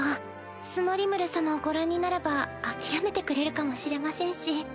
素のリムル様をご覧にならば諦めてくれるかもしれませんし